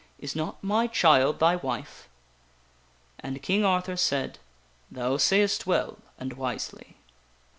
is not my child thy wife? " And King Arthur said :" Thou sayest well and wisely."